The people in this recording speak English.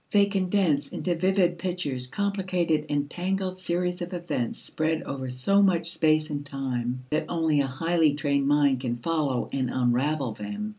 They condense into vivid pictures complicated and tangled series of events spread over so much space and time that only a highly trained mind can follow and unravel them.